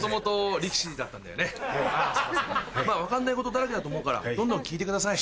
分かんないことだらけだと思うからどんどん聞いてください。